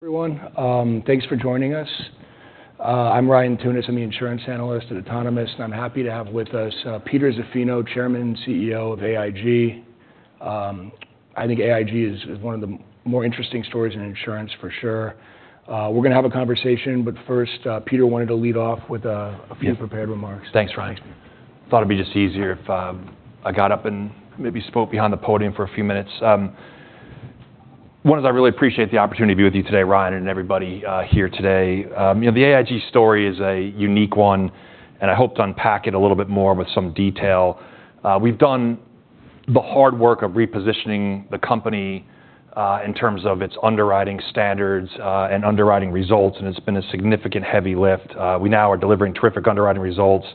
Everyone, thanks for joining us. I'm Ryan Tunis. I'm the insurance analyst at Autonomous, and I'm happy to have with us, Peter Zaffino, Chairman and CEO of AIG. I think AIG is one of the more interesting stories in insurance for sure. We're going to have a conversation, but first, Peter wanted to lead off with a few prepared remarks. Thanks, Ryan. Thanks, Peter. Thought it'd be just easier if I got up and maybe spoke behind the podium for a few minutes. I really appreciate the opportunity to be with you today, Ryan, and everybody here today. You know, the AIG story is a unique one, and I hope to unpack it a little bit more with some detail. We've done the hard work of repositioning the company in terms of its underwriting standards and underwriting results, and it's been a significant heavy lift. We now are delivering terrific underwriting results,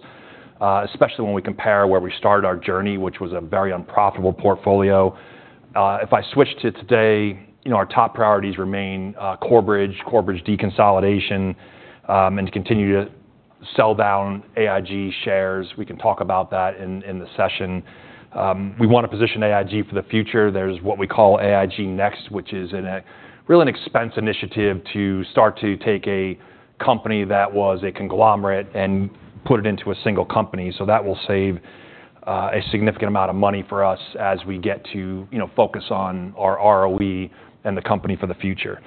especially when we compare where we started our journey, which was a very unprofitable portfolio. If I switch to today, you know, our top priorities remain Corbridge, Corbridge deconsolidation, and to continue to sell down AIG shares. We can talk about that in the session. We want to position AIG for the future. There's what we call AIG Next, which is really an expense initiative to start to take a company that was a conglomerate and put it into a single company. So that will save a significant amount of money for us as we get to, you know, focus on our ROE and the company for the future.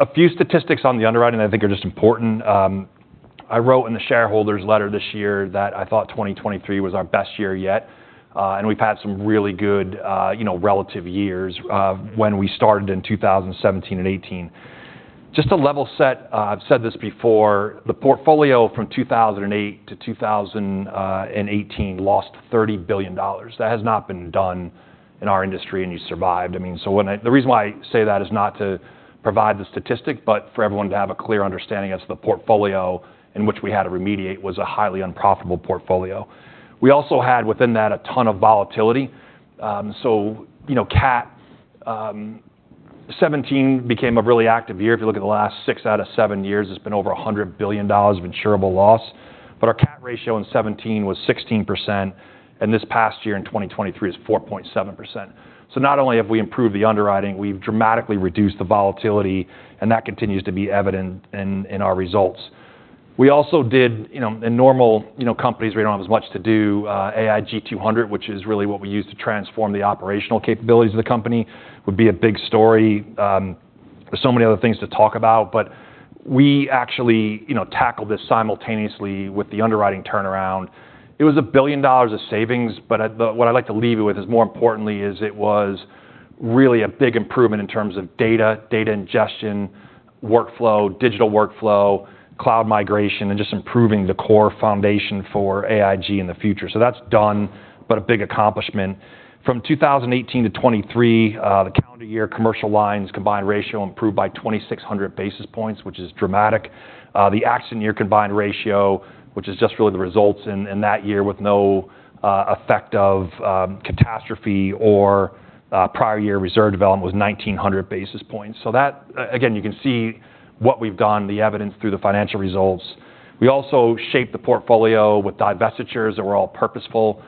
A few statistics on the underwriting I think are just important. I wrote in the shareholders' letter this year that I thought 2023 was our best year yet, and we've had some really good, you know, relative years, when we started in 2017 and 2018. Just to level set, I've said this before, the portfolio from 2008 to 2018 lost $30 billion. That has not been done in our industry, and you survived. I mean, so the reason why I say that is not to provide the statistic, but for everyone to have a clear understanding as the portfolio in which we had to remediate was a highly unprofitable portfolio. We also had, within that, a ton of volatility. So, you know, Cat, 2017 became a really active year. If you look at the last six out of seven years, it's been over $100 billion of insurable loss. But our Cat ratio in 2017 was 16%, and this past year, in 2023, is 4.7%. So not only have we improved the underwriting, we've dramatically reduced the volatility, and that continues to be evident in our results. We also did... You know, in normal, you know, companies, we don't have as much to do. AIG 200, which is really what we use to transform the operational capabilities of the company, would be a big story. There's so many other things to talk about, but we actually, you know, tackled this simultaneously with the underwriting turnaround. It was $1 billion of savings, but what I'd like to leave you with is, more importantly, is it was really a big improvement in terms of data, data ingestion, workflow, digital workflow, cloud migration, and just improving the core foundation for AIG in the future. So that's done, but a big accomplishment. From 2018 to 2023, the calendar year commercial lines combined ratio improved by 2,600 basis points, which is dramatic. The accident year combined ratio, which is just really the results in that year with no effect of catastrophe or prior year reserve development, was 1,900 basis points. So that, again, you can see what we've done, the evidence through the financial results. We also shaped the portfolio with divestitures that were all purposeful.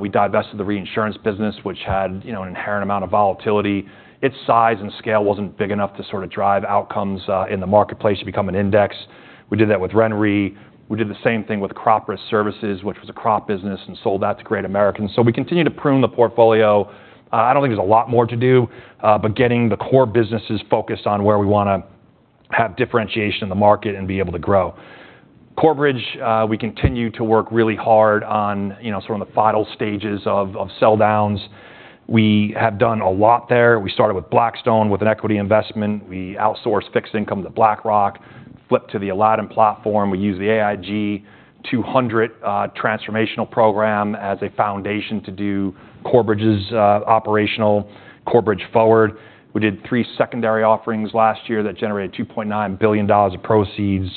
We divested the reinsurance business, which had, you know, an inherent amount of volatility. Its size and scale wasn't big enough to sort of drive outcomes in the marketplace to become an index. We did that with RenaissanceRe. We did the same thing with Crop Risk Services, which was a crop business, and sold that to Great American. So we continue to prune the portfolio. I don't think there's a lot more to do, but getting the core businesses focused on where we want to have differentiation in the market and be able to grow. Corbridge, we continue to work really hard on, you know, sort of the final stages of sell downs. We have done a lot there. We started with Blackstone, with an equity investment. We outsourced fixed income to BlackRock, flipped to the Aladdin platform. We used the AIG 200, transformational program as a foundation to do Corbridge's, operational Corbridge forward. We did three secondary offerings last year that generated $2.9 billion of proceeds,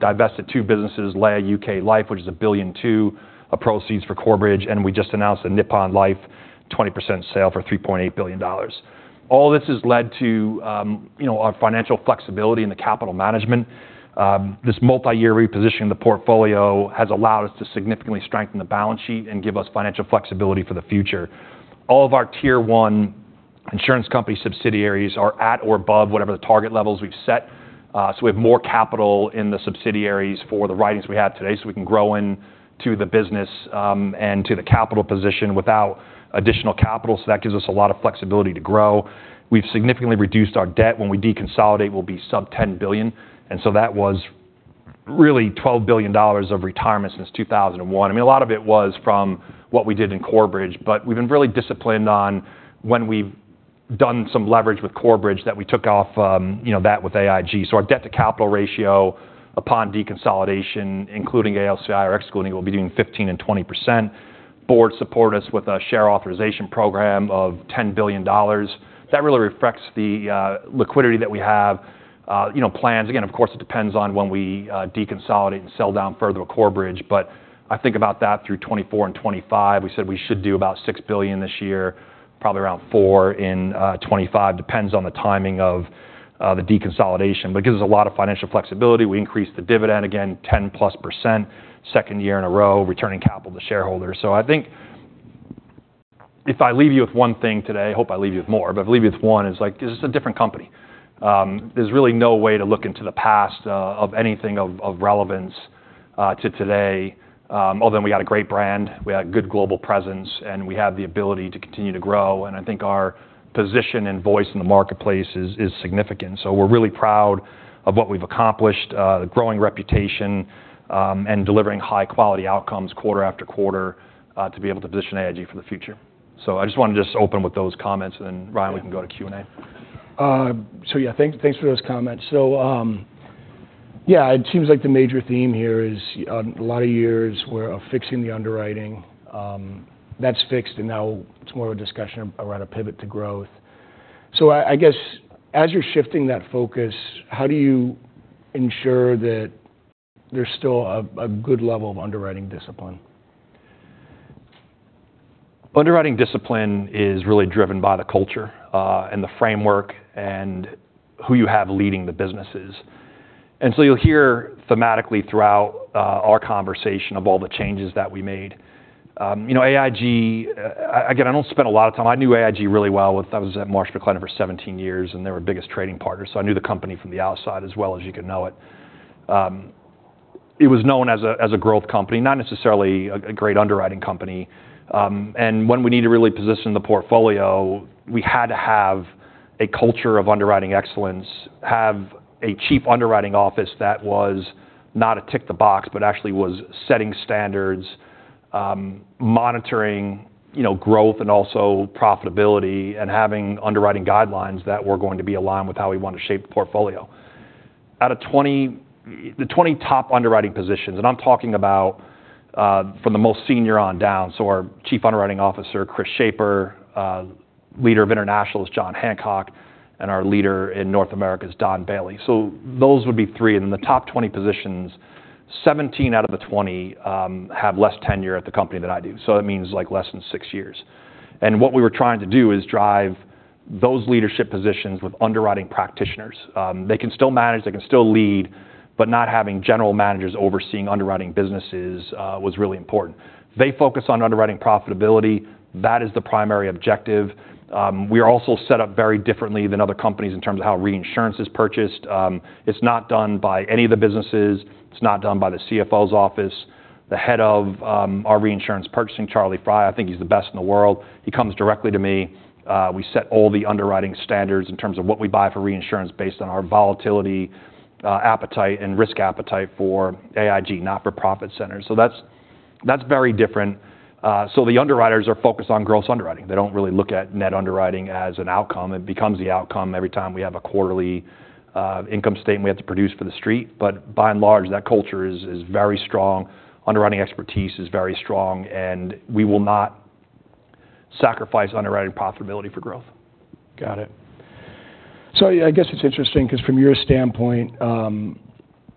divested two businesses, LAE UK Life, which is $1.2 billion of proceeds for Corbridge, and we just announced a Nippon Life 20% sale for $3.8 billion. All this has led to, you know, our financial flexibility in the capital management. This multi-year repositioning the portfolio has allowed us to significantly strengthen the balance sheet and give us financial flexibility for the future. All of our Tier I insurance company subsidiaries are at or above whatever the target levels we've set, so we have more capital in the subsidiaries for the writings we have today, so we can grow in to the business, and to the capital position without additional capital. So that gives us a lot of flexibility to grow. We've significantly reduced our debt. When we deconsolidate, we'll be sub-10 billion, and so that was really $12 billion of retirement since 2001. I mean, a lot of it was from what we did in Corbridge, but we've been really disciplined on when we've done some leverage with Corbridge that we took off, you know, that with AIG. So our debt-to-capital ratio upon deconsolidation, including AOCI or excluding, we'll be between 15% and 20%. Board support us with a share authorization program of $10 billion. That really reflects the liquidity that we have, you know, plans. Again, of course, it depends on when we deconsolidate and sell down further with Corbridge, but I think about that through 2024 and 2025. We said we should do about $6 billion this year, probably around $4 billion in 2025. Depends on the timing of the deconsolidation, but it gives us a lot of financial flexibility. We increased the dividend again, 10%+, second year in a row, returning capital to shareholders. So I think if I leave you with one thing today, I hope I leave you with more, but if I leave you with one, it's like, this is a different company. There's really no way to look into the past of anything of relevance to today. Other than we got a great brand, we have good global presence, and we have the ability to continue to grow. And I think our position and voice in the marketplace is significant. So we're really proud of what we've accomplished, the growing reputation, and delivering high-quality outcomes quarter after quarter to be able to position AIG for the future. So I just want to open with those comments, and then, Ryan, we can go to Q&A. Thanks for those comments. So, it seems like the major theme here is a lot of years where fixing the underwriting. That's fixed, and now it's more of a discussion around a pivot to growth. So I guess, as you're shifting that focus, how do you ensure that there's still a good level of underwriting discipline? Underwriting discipline is really driven by the culture, and the framework, and who you have leading the businesses. And so you'll hear thematically throughout, our conversation of all the changes that we made. You know, AIG... again, I don't spend a lot of time. I knew AIG really well when I was at Marsh McLennan for 17 years, and they were our biggest trading partner, so I knew the company from the outside as well as you can know it. It was known as a, as a growth company, not necessarily a, a great underwriting company. And when we needed to really position the portfolio, we had to have a culture of underwriting excellence, have a Chief Underwriting Officer that was not a tick-the-box, but actually was setting standards, monitoring, you know, growth and also profitability, and having underwriting guidelines that were going to be aligned with how we want to shape the portfolio. Out of the 20 top underwriting positions, and I'm talking about from the most senior on down, so our Chief Underwriting Officer, Chris Schaper, leader of International is Jon Hancock, and our leader in North America is Don Bailey. So those would be three. In the top 20 positions, 17 out of the 20 have less tenure at the company than I do, so that means, like, less than six years. What we were trying to do is drive those leadership positions with underwriting practitioners. They can still manage, they can still lead, but not having general managers overseeing underwriting businesses was really important. They focus on underwriting profitability. That is the primary objective. We are also set up very differently than other companies in terms of how reinsurance is purchased. It's not done by any of the businesses, it's not done by the CFO's office. The head of our reinsurance purchasing, Charlie Fry, I think he's the best in the world. He comes directly to me. We set all the underwriting standards in terms of what we buy for reinsurance based on our volatility appetite and risk appetite for AIG, not-for-profit centers. So that's very different. So the underwriters are focused on gross underwriting. They don't really look at net underwriting as an outcome. It becomes the outcome every time we have a quarterly income statement we have to produce for the street. But by and large, that culture is very strong, underwriting expertise is very strong, and we will not sacrifice underwriting profitability for growth. Got it. So I guess it's interesting because from your standpoint,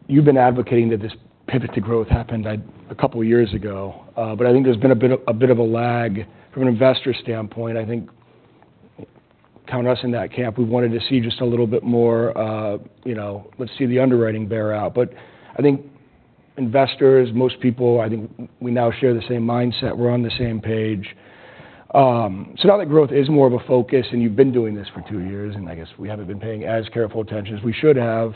you've been advocating that this pivot to growth happened a couple of years ago. But I think there's been a bit of a lag from an investor standpoint. I think count us in that camp. We wanted to see just a little bit more, you know, let's see the underwriting bear out. But I think investors, most people, I think we now share the same mindset. We're on the same page. So now that growth is more of a focus, and you've been doing this for two years, and I guess we haven't been paying as careful attention as we should have,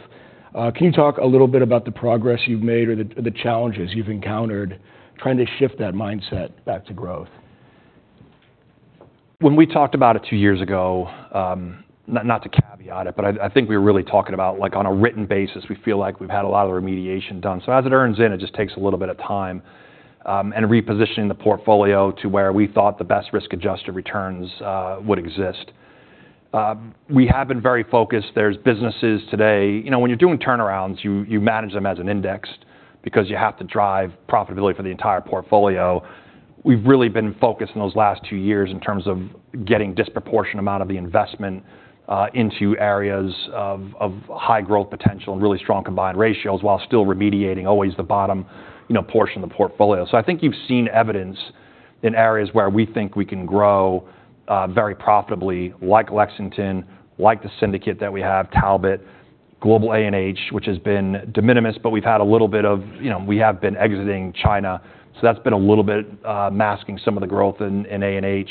can you talk a little bit about the progress you've made or the challenges you've encountered trying to shift that mindset back to growth? When we talked about it two years ago, not to caveat it, but I think we were really talking about, like on a written basis, we feel like we've had a lot of remediation done. So as it earns in, it just takes a little bit of time, and repositioning the portfolio to where we thought the best risk-adjusted returns would exist. We have been very focused. There's businesses today... You know, when you're doing turnarounds, you manage them as an index because you have to drive profitability for the entire portfolio. We've really been focused in those last two years in terms of getting disproportionate amount of the investment into areas of high growth potential and really strong combined ratios, while still remediating always the bottom, you know, portion of the portfolio. So I think you've seen evidence in areas where we think we can grow very profitably, like Lexington, like the syndicate that we have, Talbot, Global A&H, which has been de minimis, but we've had a little bit of, you know, we have been exiting China, so that's been a little bit masking some of the growth in A&H.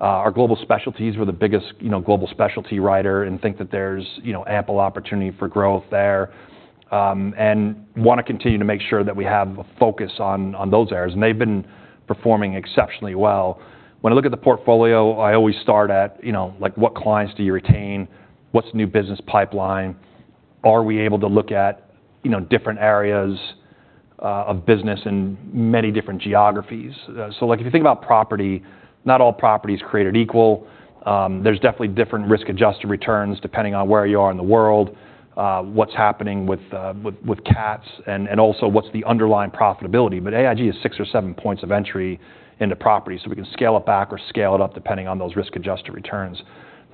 Our global specialties, we're the biggest, you know, global specialty writer and think that there's, you know, ample opportunity for growth there. And want to continue to make sure that we have a focus on those areas, and they've been performing exceptionally well. When I look at the portfolio, I always start at, you know, like, what clients do you retain? What's the new business pipeline? Are we able to look at, you know, different areas of business in many different geographies? So like if you think about property, not all property is created equal. There's definitely different risk-adjusted returns depending on where you are in the world, what's happening with the with Cats, and also what's the underlying profitability. But AIG has six or seven points of entry into property, so we can scale it back or scale it up, depending on those risk-adjusted returns.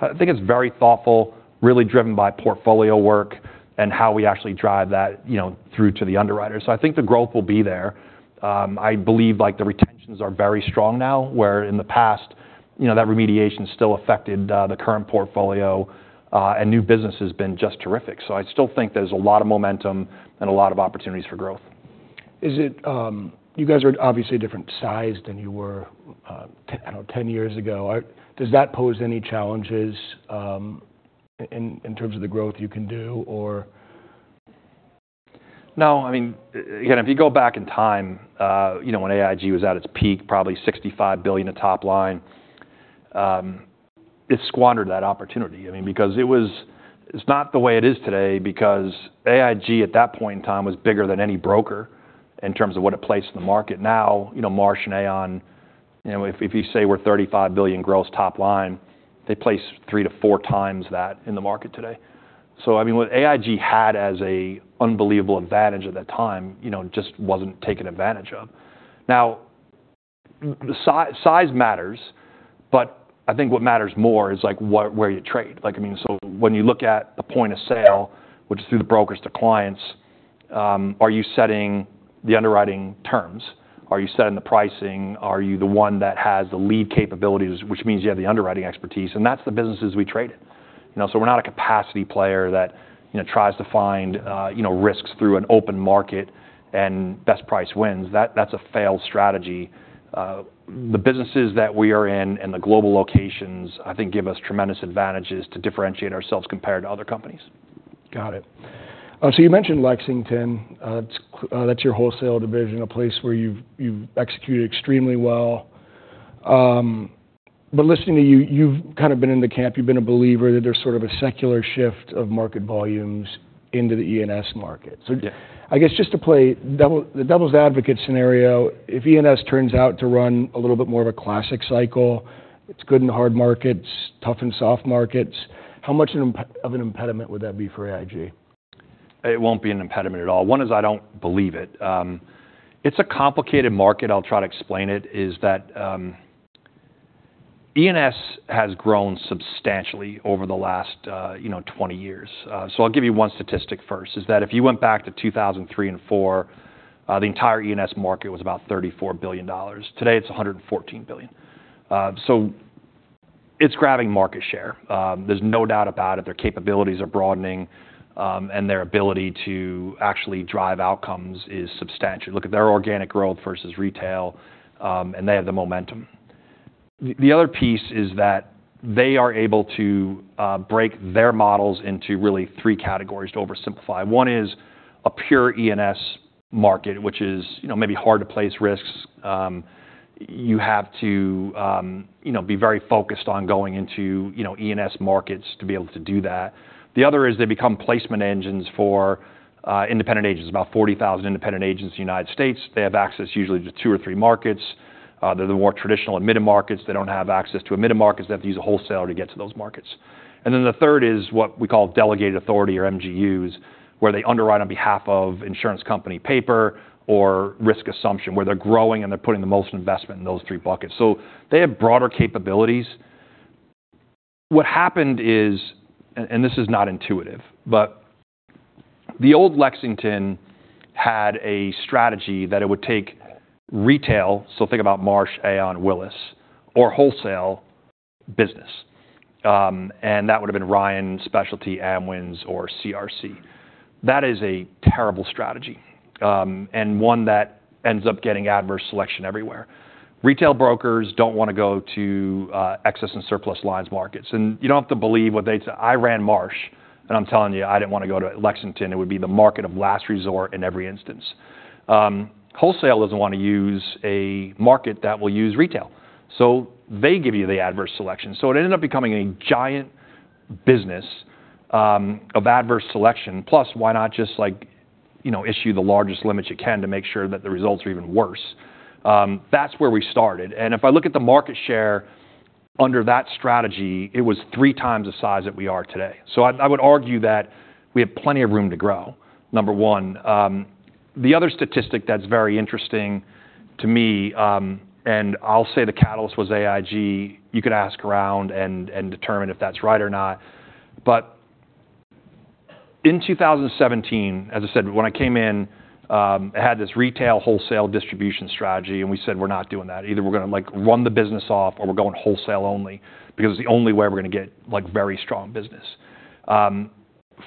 I think it's very thoughtful, really driven by portfolio work and how we actually drive that, you know, through to the underwriters. So I think the growth will be there. I believe, like, the retentions are very strong now, where in the past, you know, that remediation still affected the current portfolio, and new business has been just terrific. So I still think there's a lot of momentum and a lot of opportunities for growth. Is it, you guys are obviously different sized than you were, I don't know, 10 years ago. Does that pose any challenges, in terms of the growth you can do or? No, I mean, you know, if you go back in time, you know, when AIG was at its peak, probably $65 billion of top line, it squandered that opportunity. I mean, because it was, it's not the way it is today, because AIG, at that point in time, was bigger than any broker in terms of what it placed in the market. Now, you know, Marsh and Aon, you know, if, if you say we're $35 billion gross top line, they place three to four times that in the market today. So, I mean, what AIG had as an unbelievable advantage at that time, you know, just wasn't taken advantage of. Now, size matters, but I think what matters more is, like, what, where you trade. Like, I mean, so when you look at the point of sale, which is through the brokers to clients, are you setting the underwriting terms? Are you setting the pricing? Are you the one that has the lead capabilities, which means you have the underwriting expertise, and that's the businesses we traded. You know, so we're not a capacity player that, you know, tries to find, you know, risks through an open market and best price wins. That's a failed strategy. The businesses that we are in and the global locations, I think, give us tremendous advantages to differentiate ourselves compared to other companies. Got it. So you mentioned Lexington, it's, that's your wholesale division, a place where you've, you've executed extremely well. But listening to you, you've kind of been in the camp, you've been a believer that there's sort of a secular shift of market volumes into the E&S market. Yeah. So I guess just to play devil's advocate scenario, if E&S turns out to run a little bit more of a classic cycle, it's good in hard markets, tough in soft markets, how much of an impediment would that be for AIG? It won't be an impediment at all. One is, I don't believe it. It's a complicated market. I'll try to explain it, is that, E&S has grown substantially over the last, you know, 20 years. So I'll give you one statistic first, is that if you went back to 2003 and 2004, the entire E&S market was about $34 billion. Today, it's $114 billion. So it's grabbing market share. There's no doubt about it. Their capabilities are broadening, and their ability to actually drive outcomes is substantial. Look at their organic growth versus retail, and they have the momentum. The other piece is that they are able to break their models into really three categories, to oversimplify. One is a pure E&S market, which is, you know, maybe hard to place risks. You have to, you know, be very focused on going into, you know, E&S markets to be able to do that. The other is they become placement engines for independent agents. About 40,000 independent agents in the United States, they have access usually to two or three markets. They're the more traditional admitted markets. They don't have access to admitted markets. They have to use a wholesaler to get to those markets. And then the third is what we call delegated authority or MGUs, where they underwrite on behalf of insurance company paper or risk assumption, where they're growing and they're putting the most investment in those three buckets. So they have broader capabilities. What happened is, and this is not intuitive, but the old Lexington had a strategy that it would take retail, so think about Marsh, Aon, Willis, or wholesale business, and that would've been Ryan Specialty, Amwins, or CRC. That is a terrible strategy, and one that ends up getting adverse selection everywhere. Retail brokers don't want to go to excess and surplus lines markets, and you don't have to believe what they say. I ran Marsh, and I'm telling you, I didn't want to go to Lexington. It would be the market of last resort in every instance. Wholesale doesn't want to use a market that will use retail, so they give you the adverse selection. So it ended up becoming a giant business of adverse selection. Plus, why not just like, you know, issue the largest limits you can to make sure that the results are even worse? That's where we started, and if I look at the market share under that strategy, it was three times the size that we are today. So I would argue that we have plenty of room to grow, number one. The other statistic that's very interesting to me, and I'll say the catalyst was AIG. You could ask around and determine if that's right or not. But in 2017, as I said, when I came in, I had this retail wholesale distribution strategy, and we said, "We're not doing that. Either we're gonna, like, run the business off or we're going wholesale only, because it's the only way we're gonna get, like, very strong business."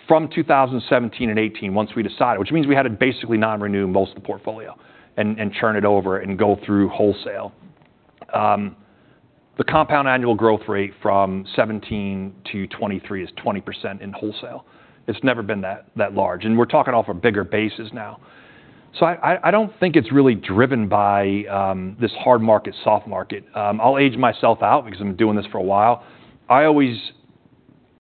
From 2017 and 2018, once we decided, which means we had to basically non-renew most of the portfolio and churn it over and go through wholesale. The compound annual growth rate from 2017 to 2023 is 20% in wholesale. It's never been that large, and we're talking off of bigger bases now. So I don't think it's really driven by this hard market, soft market. I'll age myself out because I've been doing this for a while. I always...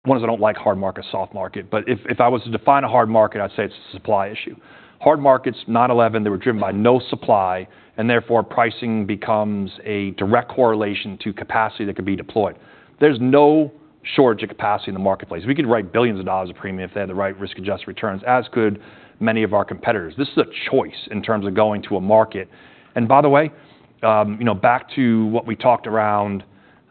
One is I don't like hard market, soft market, but if I was to define a hard market, I'd say it's a supply issue. Hard markets, 9/11, they were driven by no supply, and therefore, pricing becomes a direct correlation to capacity that could be deployed. There's no shortage of capacity in the marketplace. We could write billions of dollars of premium if they had the right risk-adjusted returns, as could many of our competitors. This is a choice in terms of going to a market. And by the way, you know, back to what we talked around,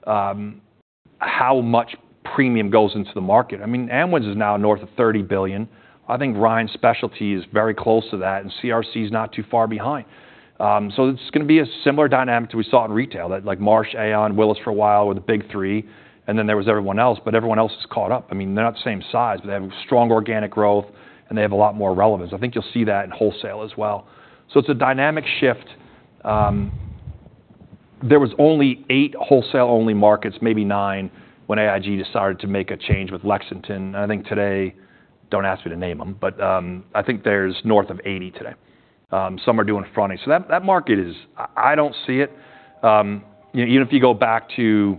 how much premium goes into the market. I mean, Amwins is now north of $30 billion. I think Ryan Specialty is very close to that, and CRC is not too far behind. So it's gonna be a similar dynamic to what we saw in retail, like Marsh, Aon, Willis for a while, were the big three, and then there was everyone else, but everyone else has caught up. I mean, they're not the same size, but they have strong organic growth, and they have a lot more relevance. I think you'll see that in wholesale as well. So it's a dynamic shift. There was only eight wholesale-only markets, maybe nine, when AIG decided to make a change with Lexington. I think today, don't ask me to name them, but I think there's north of 80 today. Some are doing fronting. So that market is—I don't see it. You know, even if you go back to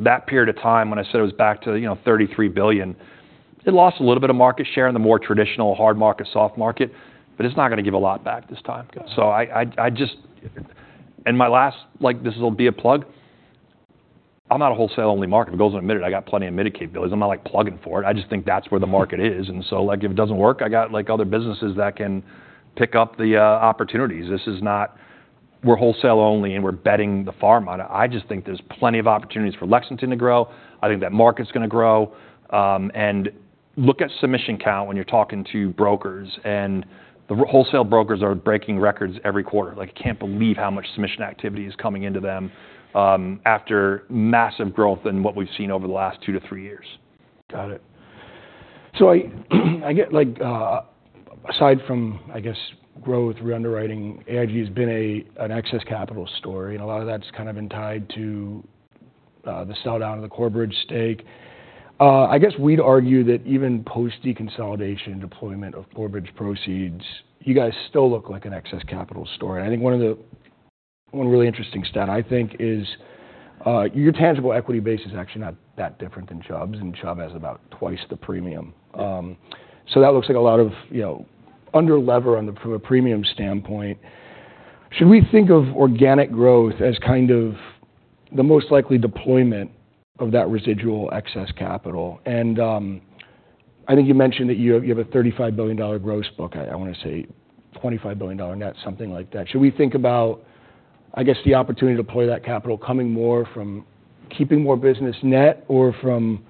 that period of time when I said it was back to, you know, $33 billion, it lost a little bit of market share in the more traditional hard market, soft market, but it's not gonna give a lot back this time. So I just—And my last, like, this will be a plug. I'm not a wholesale-only market. It goes without admitted, I got plenty of med mal bills. I'm not, like, plugging for it. I just think that's where the market is, and so, like, if it doesn't work, I got, like, other businesses that can pick up the opportunities. This is not we're wholesale only, and we're betting the farm on it. I just think there's plenty of opportunities for Lexington to grow. I think that market's gonna grow. And look at submission count when you're talking to brokers, and the wholesale brokers are breaking records every quarter. Like, I can't believe how much submission activity is coming into them, after massive growth in what we've seen over the last two to three years. Got it. So I get, like, aside from, I guess, growth, reunderwriting, AIG has been a, an excess capital story, and a lot of that's kind of been tied to the sell-down of the Corbridge stake. I guess we'd argue that even post deconsolidation, deployment of Corbridge proceeds, you guys still look like an excess capital story. I think one really interesting stat, I think, is your tangible equity base is actually not that different than Chubb's, and Chubb has about twice the premium. Yeah. So that looks like a lot of, you know, underlevered from a premium standpoint. Should we think of organic growth as kind of the most likely deployment of that residual excess capital? And, I think you mentioned that you have, you have a $35 billion gross book. I, I wanna say $25 billion net, something like that. Should we think about, I guess, the opportunity to deploy that capital coming more from keeping more business net or from,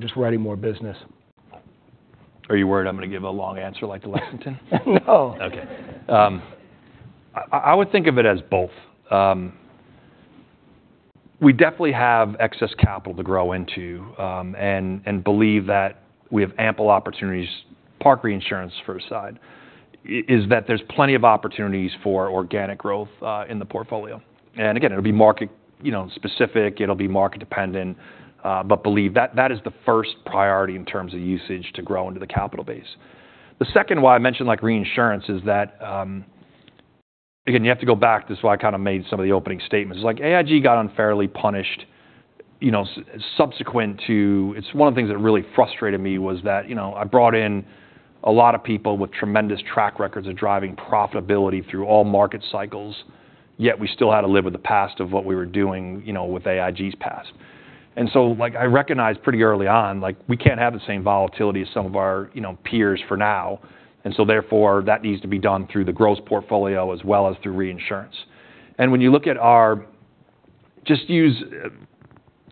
just writing more business? Are you worried I'm gonna give a long answer like the Lexington? No. Okay. I would think of it as both. We definitely have excess capital to grow into, and believe that we have ample opportunities. Park reinsurance, first side, is that there's plenty of opportunities for organic growth, in the portfolio. And again, it'll be market, you know, specific, it'll be market dependent, but believe that, that is the first priority in terms of usage to grow into the capital base. The second why I mentioned, like, reinsurance is that, again, you have to go back. This is why I kind of made some of the opening statements. It's like AIG got unfairly punished, you know, subsequent to... It's one of the things that really frustrated me was that, you know, I brought in a lot of people with tremendous track records of driving profitability through all market cycles, yet we still had to live with the past of what we were doing, you know, with AIG's past. And so, like, I recognized pretty early on, like, we can't have the same volatility as some of our, you know, peers for now, and so therefore, that needs to be done through the gross portfolio as well as through reinsurance. And when you look at our. Just use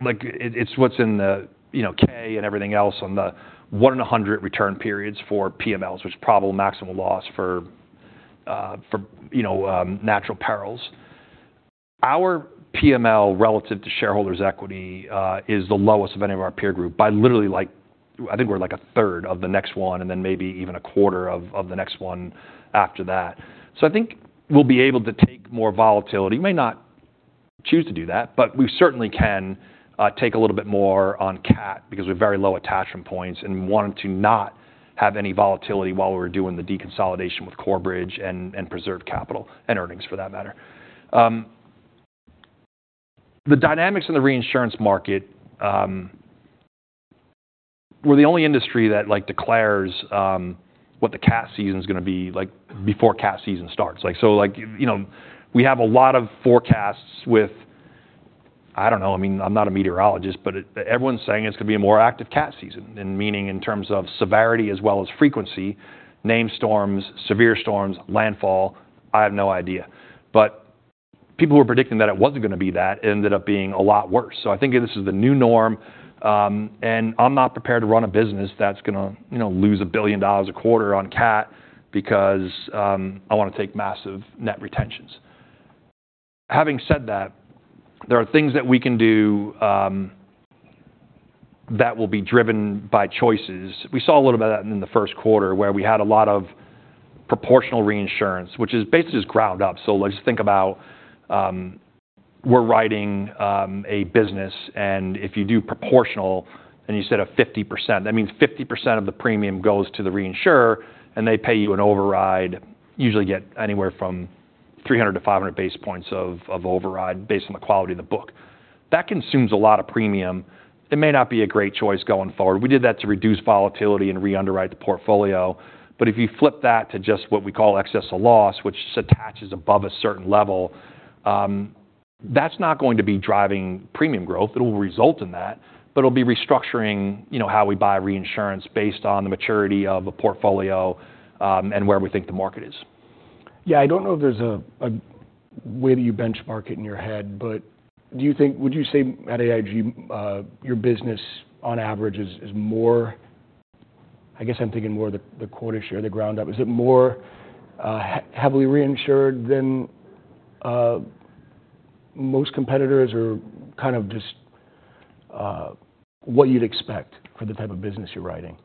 like it, it's what's in the, you know, K and everything else on the 1-in-100 return periods for PMLs, which is probable maximum loss for, you know, natural perils. Our PML, relative to shareholders' equity, is the lowest of any of our peer group by literally like, I think we're like 1/3 of the next one, and then maybe even a quarter of the next one after that. So I think we'll be able to take more volatility. We may not choose to do that, but we certainly can take a little bit more on cat, because we're very low attachment points, and we wanted to not have any volatility while we were doing the deconsolidation with Corbridge and preserve capital and earnings, for that matter. The dynamics in the reinsurance market, we're the only industry that like declares what the cat season is gonna be like before cat season starts. Like, so like, you know, we have a lot of forecasts with... I don't know, I mean, I'm not a meteorologist, but everyone's saying it's gonna be a more active cat season, and meaning in terms of severity as well as frequency, named storms, severe storms, landfall, I have no idea. But people were predicting that it wasn't gonna be that, it ended up being a lot worse. So I think this is the new norm, and I'm not prepared to run a business that's gonna, you know, lose $1 billion a quarter on cat because I wanna take massive net retentions. Having said that, there are things that we can do that will be driven by choices. We saw a little bit of that in the first quarter, where we had a lot of proportional reinsurance, which is basically just ground up. So let's think about, we're writing, a business, and if you do proportional and you set a 50%, that means 50% of the premium goes to the reinsurer, and they pay you an override, usually get anywhere from 300-500 basis points of override based on the quality of the book. That consumes a lot of premium. It may not be a great choice going forward. We did that to reduce volatility and reunderwrite the portfolio. But if you flip that to just what we call excess of loss, which just attaches above a certain level, that's not going to be driving premium growth. It will result in that, but it'll be restructuring, you know, how we buy reinsurance based on the maturity of a portfolio, and where we think the market is. Yeah, I don't know if there's a way that you benchmark it in your head, but do you think—would you say at AIG, your business on average is more—I guess I'm thinking more the quota share, the ground up. Is it more heavily reinsured than most competitors, or kind of just what you'd expect for the type of business you're writing?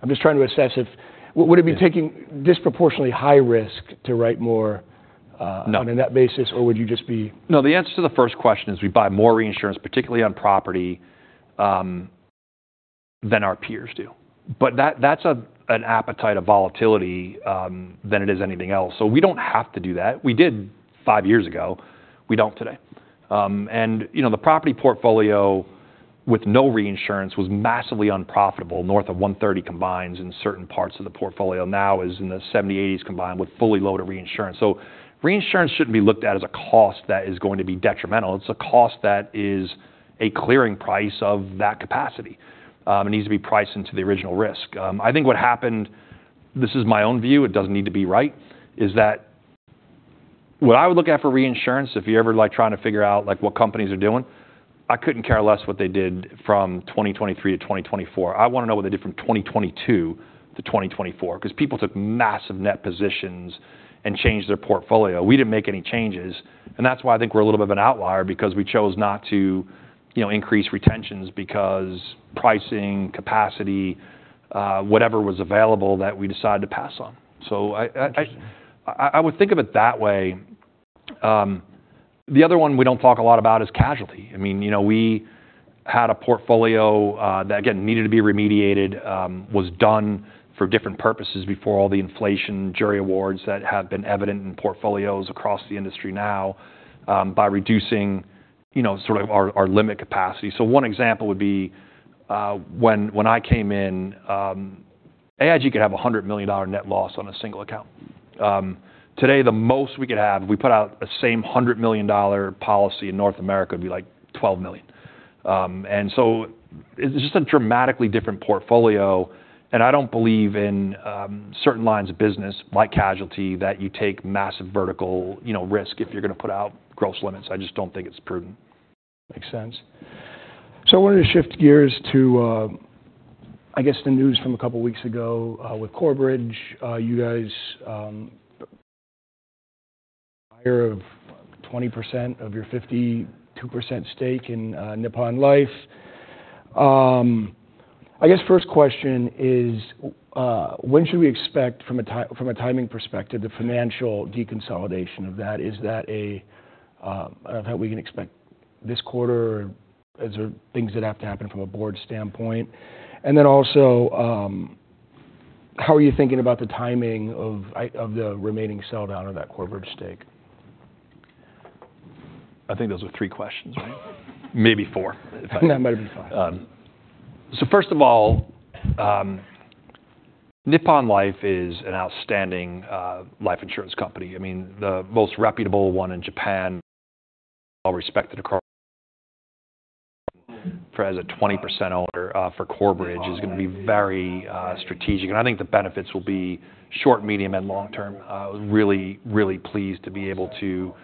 I'm just trying to assess if—would it be taking disproportionately high risk to write more? No. on a net basis, or would you just be- No, the answer to the first question is, we buy more reinsurance, particularly on property, than our peers do. But that, that's a, an appetite of volatility than it is anything else. So we don't have to do that. We did five years ago, we don't today. And, you know, the property portfolio with no reinsurance was massively unprofitable, north of 130 combineds in certain parts of the portfolio. Now, is in the 70s, 80s, combined with fully loaded reinsurance. So reinsurance shouldn't be looked at as a cost that is going to be detrimental. It's a cost that is a clearing price of that capacity. It needs to be priced into the original risk. I think what happened, this is my own view, it doesn't need to be right, is that what I would look at for reinsurance, if you're ever, like, trying to figure out, like, what companies are doing, I couldn't care less what they did from 2023 to 2024. I wanna know what they did from 2022 to 2024, because people took massive net positions and changed their portfolio. We didn't make any changes, and that's why I think we're a little bit of an outlier, because we chose not to, you know, increase retentions because pricing, capacity, whatever was available that we decided to pass on. So I would think of it that way. The other one we don't talk a lot about is casualty. I mean, you know, we had a portfolio that again, needed to be remediated, was done for different purposes before all the inflation, jury awards that have been evident in portfolios across the industry now, by reducing, you know, sort of our limit capacity. So one example would be, when I came in, AIG could have a $100 million net loss on a single account. Today, the most we could have, if we put out a same $100 million policy in North America, it'd be, like, $12 million. So it's just a dramatically different portfolio, and I don't believe in, certain lines of business, like casualty, that you take massive vertical, you know, risk if you're gonna put out gross limits. I just don't think it's prudent. Makes sense. So I wanted to shift gears to, I guess the news from a couple of weeks ago, with Corbridge. You guys, buyer of 20% of your 52% stake in, Nippon Life. I guess first question is, when should we expect from a timing perspective, the financial deconsolidation of that? Is that a, I don't know how we can expect this quarter, or is there things that have to happen from a board standpoint? And then also, how are you thinking about the timing of the remaining sell down of that Corbridge stake? I think those are three questions, right? Maybe four. No, might be five. So first of all, Nippon Life is an outstanding life insurance company. I mean, the most reputable one in Japan, well-respected across... As a 20% owner for Corbridge, is gonna be very strategic. And I think the benefits will be short, medium, and long term. Really, really pleased to be able to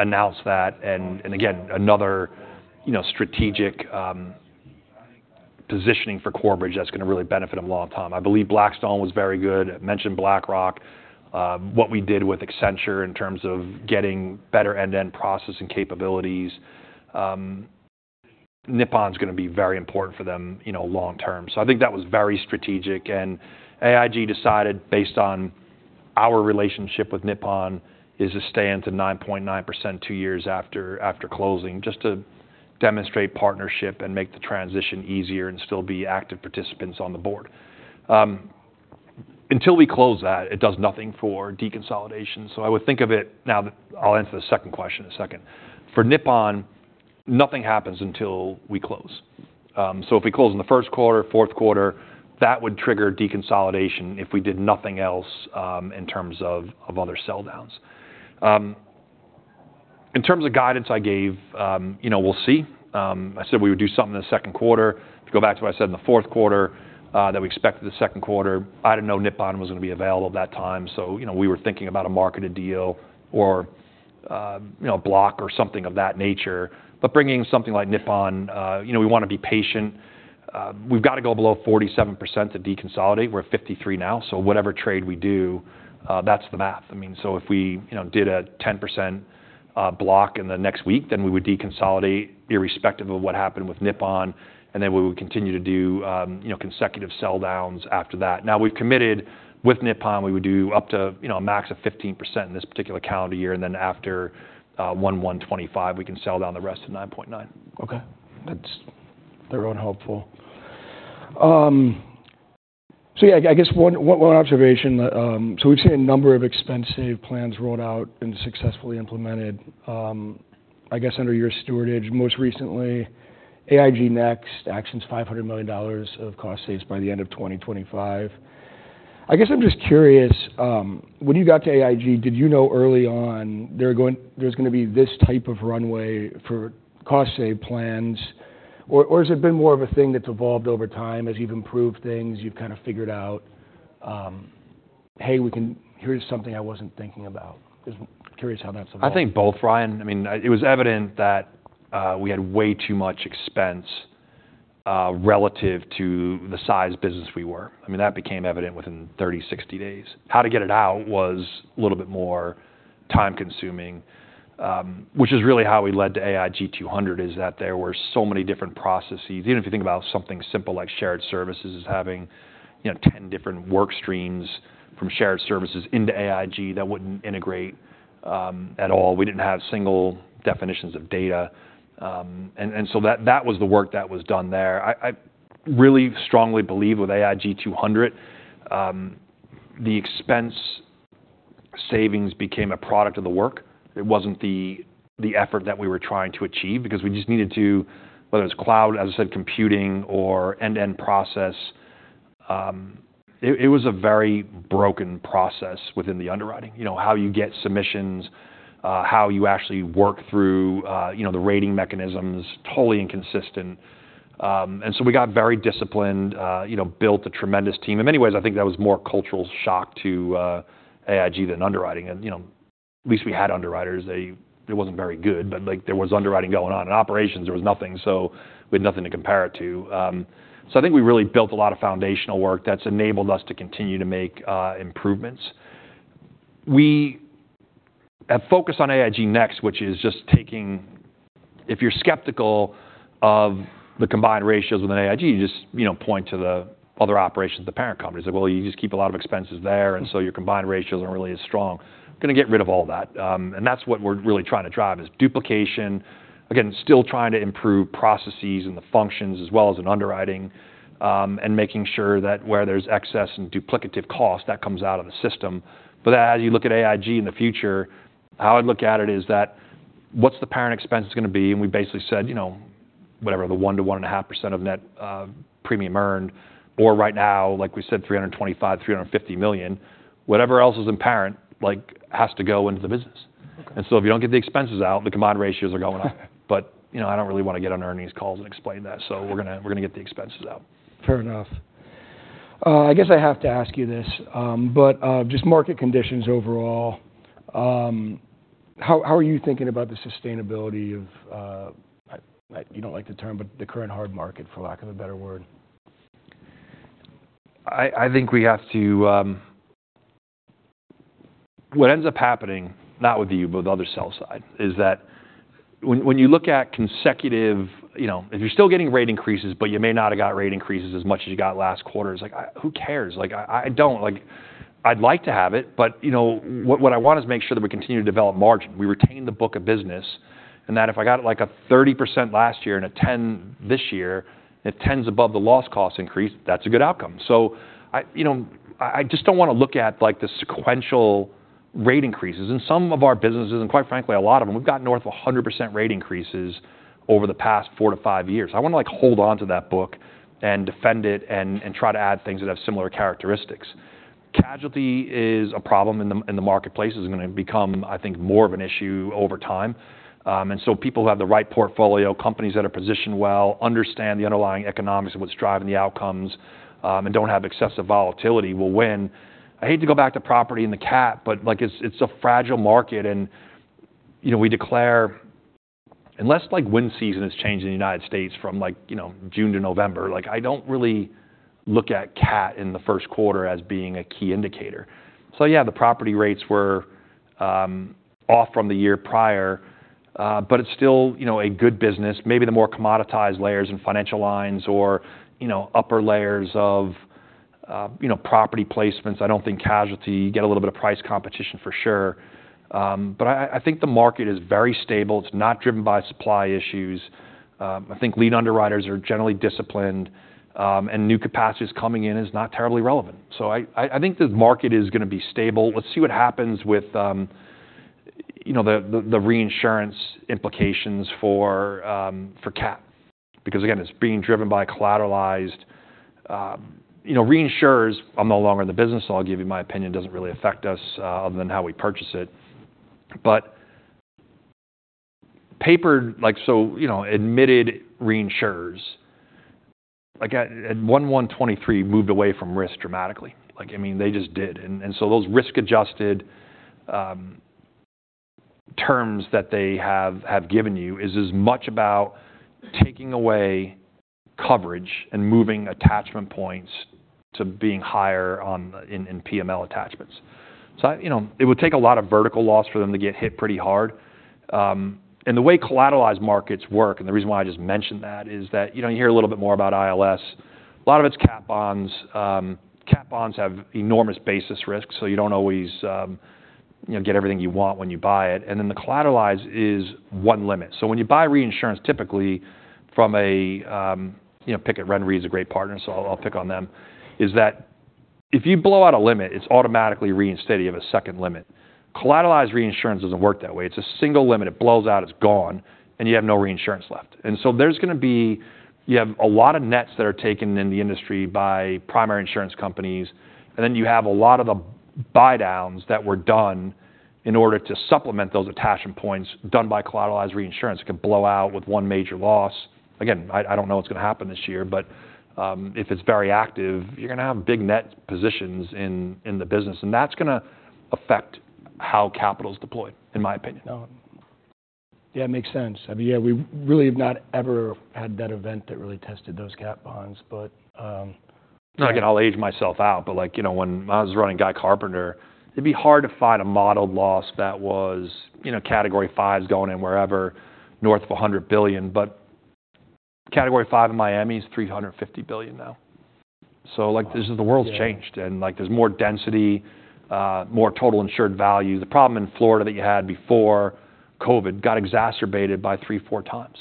announce that. And again, another, you know, strategic positioning for Corbridge that's gonna really benefit them a long time. I believe Blackstone was very good. I mentioned BlackRock. What we did with Accenture in terms of getting better end-to-end processing capabilities, Nippon's gonna be very important for them, you know, long term. So I think that was very strategic, and AIG decided, based on our relationship with Nippon, is to stay in to 9.9%, two years after closing, just to demonstrate partnership and make the transition easier and still be active participants on the board. Until we close that, it does nothing for deconsolidation. So I would think of it. Now, I'll answer the second question in a second. For Nippon, nothing happens until we close. So if we close in the first quarter, fourth quarter, that would trigger deconsolidation if we did nothing else, in terms of other sell downs. In terms of guidance I gave, you know, we'll see. I said we would do something in the second quarter. If you go back to what I said in the fourth quarter, that we expected the second quarter. I didn't know Nippon was going to be available at that time, so, you know, we were thinking about a marketed deal or, you know, a block or something of that nature. But bringing something like Nippon, you know, we want to be patient. We've got to go below 47% to deconsolidate. We're at 53% now, so whatever trade we do, that's the math. I mean, so if we, you know, did a 10% block in the next week, then we would deconsolidate, irrespective of what happened with Nippon, and then we would continue to do, you know, consecutive sell downs after that. Now, we've committed with Nippon, we would do up to, you know, a max of 15% in this particular calendar year, and then after 1/1/2025, we can sell down the rest of 9.9. Okay. That's very helpful. So yeah, I guess one observation. So we've seen a number of expense save plans rolled out and successfully implemented, I guess under your stewardship. Most recently, AIG Next actions $500 million of cost saves by the end of 2025. I guess I'm just curious, when you got to AIG, did you know early on there was gonna be this type of runway for cost save plans? Or, has it been more of a thing that's evolved over time as you've improved things, you've kind of figured out, Hey, we can, here's something I wasn't thinking about. Just curious how that's evolved. I think both, Ryan. I mean, it was evident that we had way too much expense relative to the size business we were. I mean, that became evident within 30, 60 days. How to get it out was a little bit more time-consuming, which is really how we led to AIG 200, is that there were so many different processes. Even if you think about something simple like shared services as having, you know, 10 different work streams from shared services into AIG that wouldn't integrate at all. We didn't have single definitions of data. And so that was the work that was done there. I really strongly believe with AIG 200, the expense savings became a product of the work. It wasn't the effort that we were trying to achieve because we just needed to, whether it's cloud, as I said, computing or end-to-end process, it was a very broken process within the underwriting. You know, how you get submissions, how you actually work through, you know, the rating mechanisms, totally inconsistent. And so we got very disciplined, you know, built a tremendous team. In many ways, I think that was more cultural shock to AIG than underwriting. And, you know, at least we had underwriters. They-- it wasn't very good, but, like, there was underwriting going on. In operations, there was nothing, so we had nothing to compare it to. So I think we really built a lot of foundational work that's enabled us to continue to make improvements. We have focused on AIG Next, which is just taking... If you're skeptical of the combined ratios within AIG, you just, you know, point to the other operations of the parent company, and say, "Well, you just keep a lot of expenses there, and so your combined ratios aren't really as strong." Gonna get rid of all that. And that's what we're really trying to drive, is duplication. Again, still trying to improve processes and the functions, as well as in underwriting, and making sure that where there's excess and duplicative cost, that comes out of the system. But as you look at AIG in the future, how I'd look at it is that, what's the parent expense gonna be? And we basically said, you know, whatever, the 1%-1.5% of net premium earned, or right now, like we said, $325 million-$350 million. Whatever else is in parent, like, has to go into the business. And so if you don't get the expenses out, the combined ratios are going up. But, you know, I don't really want to get on earnings calls and explain that, so we're gonna, we're gonna get the expenses out. Fair enough. I guess I have to ask you this, but just market conditions overall, how are you thinking about the sustainability of... you don't like the term, but the current hard market, for lack of a better word? I think we have to. What ends up happening, not with you, but with the other sell side, is that when you look at consecutive. You know, if you're still getting rate increases, but you may not have got rate increases as much as you got last quarter, it's like, who cares? Like, I don't. Like, I'd like to have it, but, you know, what I want is to make sure that we continue to develop margin, we retain the book of business, and that if I got it like a 30% last year and a 10 this year, and 10's above the loss cost increase, that's a good outcome. So I, you know, I just don't want to look at, like, the sequential rate increases. In some of our businesses, and quite frankly, a lot of them, we've got north of 100% rate increases over the past four to five years. I wanna, like, hold on to that book and defend it and, and try to add things that have similar characteristics. Casualty is a problem in the, in the marketplace. It's gonna become, I think, more of an issue over time. And so people who have the right portfolio, companies that are positioned well, understand the underlying economics of what's driving the outcomes, and don't have excessive volatility, will win. I hate to go back to property and the cat, but, like, it's, it's a fragile market. You know, we declare—unless, like, wind season has changed in the United States from, like, you know, June to November, like, I don't really look at cat in the first quarter as being a key indicator. So yeah, the property rates were off from the year prior, but it's still, you know, a good business. Maybe the more commoditized layers in financial lines or, you know, upper layers of, you know, property placements. I don't think casualty. You get a little bit of price competition, for sure. But I think the market is very stable. It's not driven by supply issues. I think lead underwriters are generally disciplined, and new capacities coming in is not terribly relevant. So I think the market is gonna be stable. Let's see what happens with, you know, the reinsurance implications for cat, because, again, it's being driven by collateralized... You know, reinsurers, I'm no longer in the business, so I'll give you my opinion, doesn't really affect us, other than how we purchase it. But paper, like, so, you know, admitted reinsurers, like at 1/1/2023, moved away from risk dramatically. Like, I mean, they just did. And so those risk-adjusted terms that they have given you is as much about taking away coverage and moving attachment points to being higher on the in PML attachments. So, you know, it would take a lot of vertical loss for them to get hit pretty hard. And the way collateralized markets work, and the reason why I just mentioned that, is that, you know, you hear a little bit more about ILS. A lot of it's cat bonds. Cat bonds have enormous basis risks, so you don't always, you know, get everything you want when you buy it. And then the collateralized is one limit. So when you buy reinsurance, typically from a, you know, RenaissanceRe's a great partner, so I'll, I'll pick on them, is that if you blow out a limit, it's automatically reinstated, you have a second limit. Collateralized reinsurance doesn't work that way. It's a single limit. It blows out, it's gone, and you have no reinsurance left. And so there's gonna be. You have a lot of nets that are taken in the industry by primary insurance companies, and then you have a lot of the buydowns that were done in order to supplement those attachment points done by collateralized reinsurance; it can blow out with one major loss. Again, I don't know what's gonna happen this year, but if it's very active, you're gonna have big net positions in the business, and that's gonna affect how capital's deployed, in my opinion. No. Yeah, it makes sense. I mean, yeah, we really have not ever had that event that really tested those CAT bonds. But, Again, I'll age myself out, but like, you know, when I was running Guy Carpenter, it'd be hard to find a modeled loss that was, you know, Category 5s going in wherever, north of $100 billion. But Category 5 in Miami is $350 billion now. So, like, this is- Yeah. The world's changed, and, like, there's more density, more total insured value. The problem in Florida that you had before COVID got exacerbated by three to four 4 times.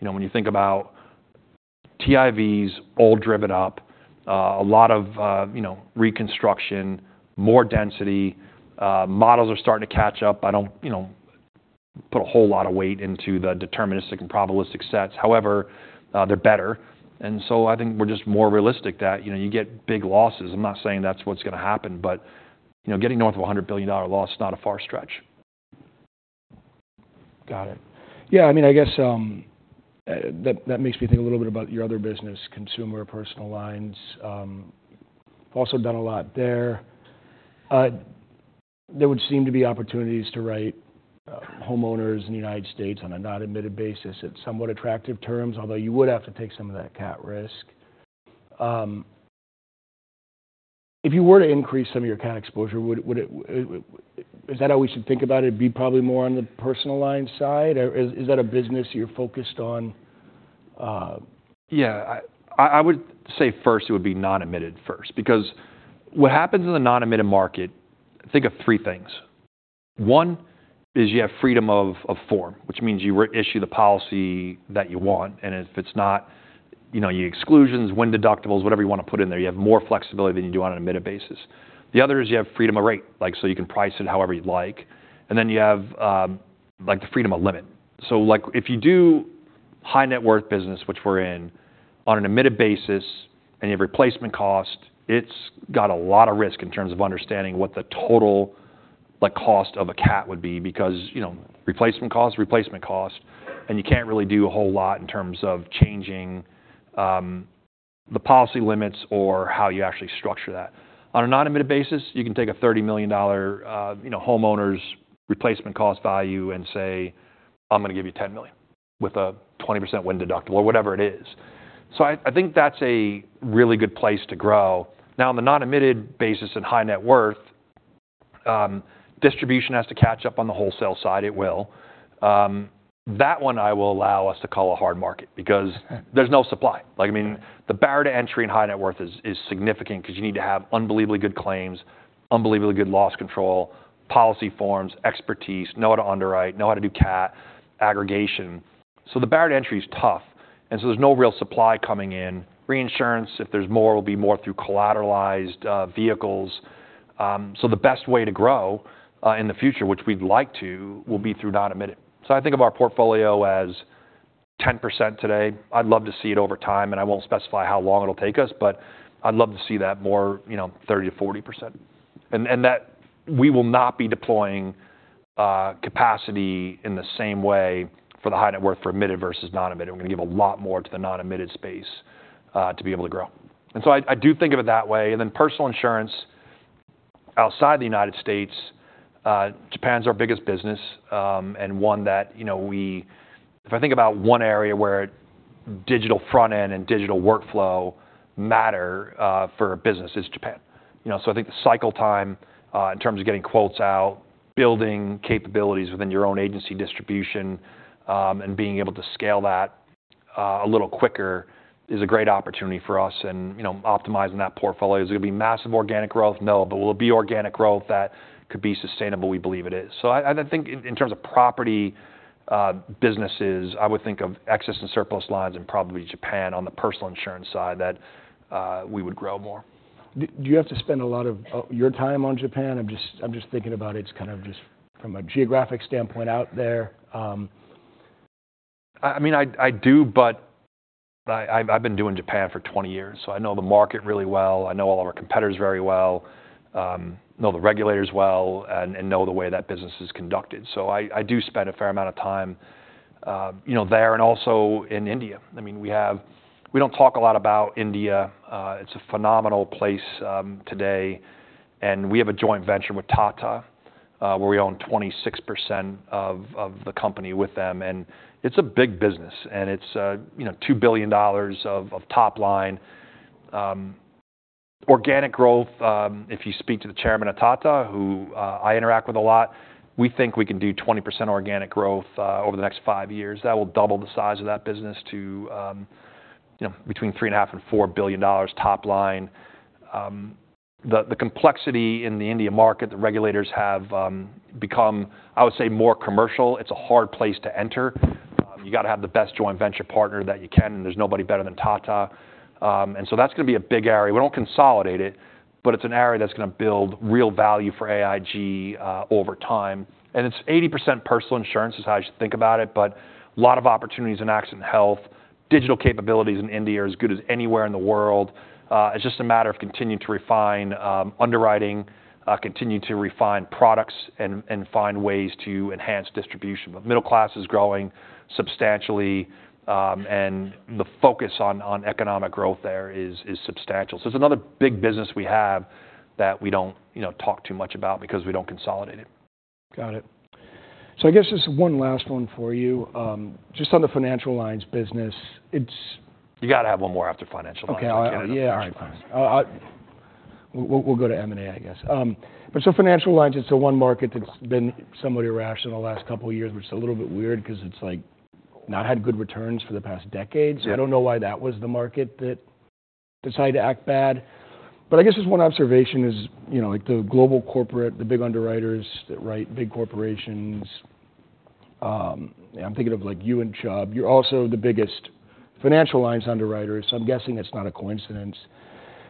You know, when you think about TIVs all driven up, a lot of, you know, reconstruction, more density, models are starting to catch up. I don't, you know, put a whole lot of weight into the deterministic and probabilistic sets. However, they're better, and so I think we're just more realistic that, you know, you get big losses. I'm not saying that's what's gonna happen, but, you know, getting north of a $100 billion loss is not a far stretch. Got it. Yeah, I mean, I guess, that makes me think a little bit about your other business, consumer personal lines. Also done a lot there. There would seem to be opportunities to write, homeowners in the United States on a non-admitted basis at somewhat attractive terms, although you would have to take some of that cat risk. If you were to increase some of your cat exposure, would it-- is that how we should think about it? It'd be probably more on the personal line side, or is that a business you're focused on? Yeah, I would say first, it would be non-admitted first, because what happens in the non-admitted market, think of three things. One, is you have freedom of form, which means you will issue the policy that you want, and if it's not, you know, your exclusions, wind deductibles, whatever you want to put in there, you have more flexibility than you do on an admitted basis. The other is you have freedom of rate, like, so you can price it however you'd like. And then you have, like the freedom of limit. So like, if you do high net worth business, which we're in, on an admitted basis, and you have replacement cost, it's got a lot of risk in terms of understanding what the total, like, cost of a Cat would be, because, you know, replacement cost is replacement cost, and you can't really do a whole lot in terms of changing, the policy limits or how you actually structure that. On a non-admitted basis, you can take a $30 million, you know, homeowners replacement cost value and say, "I'm gonna give you $10 million with a 20% wind deductible," or whatever it is. So I think that's a really good place to grow. Now, on the non-admitted basis and high net worth, distribution has to catch up on the wholesale side, it will. That one I will allow us to call a hard market because there's no supply. Like, I mean the barrier to entry in high net worth is significant because you need to have unbelievably good claims, unbelievably good loss control, policy forms, expertise, know how to underwrite, know how to do Cat aggregation. So the barrier to entry is tough, and so there's no real supply coming in. Reinsurance, if there's more, it'll be more through collateralized vehicles. So the best way to grow in the future, which we'd like to, will be through non-admitted. So I think of our portfolio as 10% today. I'd love to see it over time, and I won't specify how long it'll take us, but I'd love to see that more, you know, 30%-40%. And that we will not be deploying capacity in the same way for the high net worth for admitted versus non-admitted. We're gonna give a lot more to the non-admitted space, to be able to grow. And so I, I do think of it that way, and then personal insurance outside the United States, Japan's our biggest business, and one that, you know, if I think about one area where digital front end and digital workflow matter, for business, is Japan. You know, so I think the cycle time, in terms of getting quotes out, building capabilities within your own agency distribution, and being able to scale that, a little quicker, is a great opportunity for us. And, you know, optimizing that portfolio. Is it gonna be massive organic growth? No. But will it be organic growth that could be sustainable? We believe it is. So I think in terms of property businesses, I would think of excess and surplus lines and probably Japan on the personal insurance side, that we would grow more. Do you have to spend a lot of your time on Japan? I'm just thinking about it's kind of just from a geographic standpoint out there. I mean, I do, but I've been doing Japan for 20 years, so I know the market really well. I know all of our competitors very well, know the regulators well, and know the way that business is conducted. So I do spend a fair amount of time, you know, there and also in India. I mean, we have—we don't talk a lot about India. It's a phenomenal place, today, and we have a joint venture with Tata, where we own 26% of the company with them. And it's a big business, and it's, you know, $2 billion of top line. Organic growth, if you speak to the chairman of Tata, who, I interact with a lot, we think we can do 20% organic growth over the next five years. That will double the size of that business to, you know, between $3.5 billion and $4 billion top line. The complexity in the India market, the regulators have become, I would say, more commercial. It's a hard place to enter. You gotta have the best joint venture partner that you can, and there's nobody better than Tata. And so that's gonna be a big area. We don't consolidate it, but it's an area that's gonna build real value for AIG over time. And it's 80% personal insurance, is how you should think about it, but a lot of opportunities in accident health. Digital capabilities in India are as good as anywhere in the world. It's just a matter of continuing to refine underwriting, continue to refine products and find ways to enhance distribution. The middle class is growing substantially, and the focus on economic growth there is substantial. So it's another big business we have that we don't, you know, talk too much about because we don't consolidate it. Got it. So I guess just one last one for you. Just on the Financial Lines business, it's- You gotta have one more after Financial Lines. Okay. I- I can't have financial lines. All right. We'll go to M&A, I guess. But so Financial Lines, it's the one market that's been somewhat irrational the last couple of years, which is a little bit weird 'cause it's, like, not had good returns for the past decades. I don't know why that was the market that decided to act bad. But I guess just one observation is, you know, like, the global corporate, the big underwriters that write big corporations, I'm thinking of, like, you and Chubb, you're also the biggest financial lines underwriter, so I'm guessing it's not a coincidence.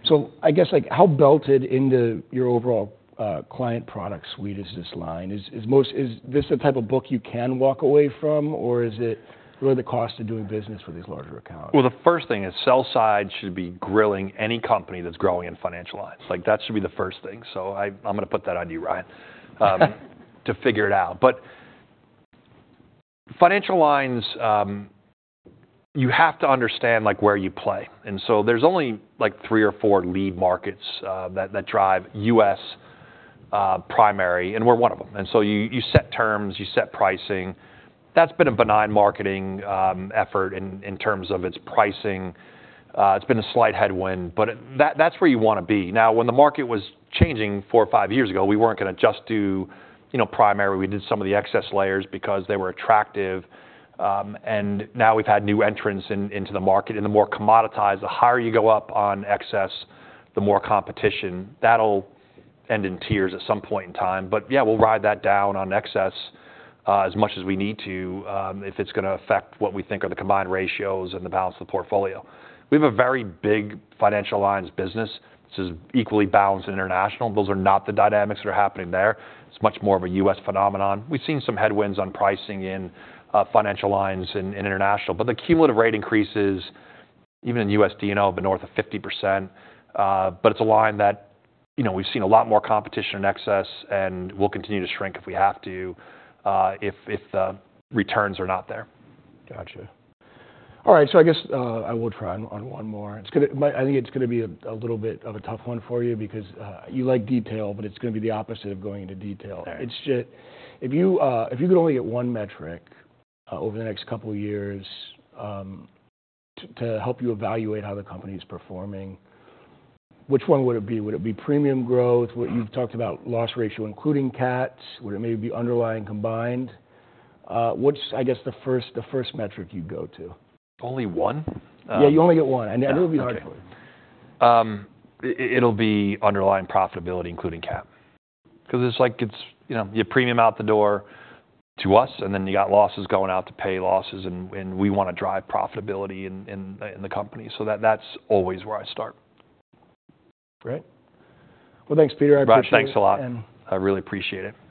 So I guess, like, how belted into your overall, client product suite is this line? Is this the type of book you can walk away from, or is it really the cost of doing business with these larger accounts? Well, the first thing is, sell side should be grilling any company that's growing in financial lines. Like, that should be the first thing. So I, I'm gonna put that on you, Ryan, to figure it out. But financial lines, you have to understand, like, where you play, and so there's only, like, three or four lead markets, that drive U.S. primary, and we're one of them. And so you set terms, you set pricing. That's been a benign marketing effort in terms of its pricing. It's been a slight headwind, but that's where you wanna be. Now, when the market was changing four or five years ago, we weren't gonna just do, you know, primary. We did some of the excess layers because they were attractive. Now we've had new entrants into the market, and the more commoditized, the higher you go up on excess, the more competition. That'll end in tears at some point in time. But yeah, we'll ride that down on excess, as much as we need to, if it's gonna affect what we think are the combined ratios and the balance of the portfolio. We have a very big financial lines business, which is equally balanced in international. Those are not the dynamics that are happening there. It's much more of a U.S. phenomenon. We've seen some headwinds on pricing in financial lines in international, but the cumulative rate increases, even in U.S. D&O, have been north of 50%. But it's a line that, you know, we've seen a lot more competition in excess and will continue to shrink if we have to, if the returns are not there. All right, so I guess, I will try on one more. It's gonna be a little bit of a tough one for you because you like detail, but it's gonna be the opposite of going into detail. All right. It's just... If you, if you could only get one metric, over the next couple of years, to help you evaluate how the company is performing, which one would it be? Would it be premium growth? What you've talked about, loss ratio, including Cat? Would it maybe be underlying combined? What's, I guess, the first metric you'd go to? Only one? Yeah, you only get one, and it'll be hard for you. Okay. It'll be underlying profitability, including Cat. 'Cause it's like, you know, you premium out the door to us, and then you got losses going out to pay losses, and we wanna drive profitability in the company. So that's always where I start. Great. Well, thanks, Peter. I appreciate it- Ryan, thanks a lot.... and- I really appreciate it.